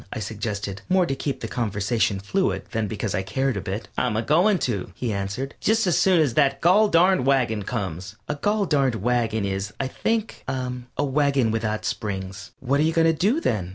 I suggested, more to keep the conversation fluid than because I cared a bit. "I'm a goin' to," he answered, "just as soon as that goll darned wagon comes." (A "goll darned" wagon is, I think, a wagon without springs.) "What are you going to do then?"